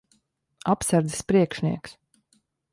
Apsardzes priekšnieks.